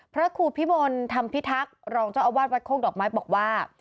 พระครูพิมลธรรมพิทักษ์รองเจ้าอาวาสวัดโคกดอกไม้บอกว่า